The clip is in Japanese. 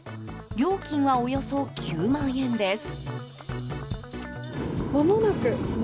料金は、およそ９万円です。